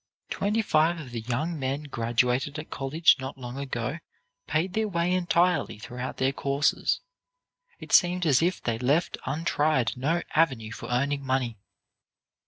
Twenty five of the young men graduated at Yale not long ago paid their way entirely throughout their courses. It seemed as if they left untried no avenue for earning money.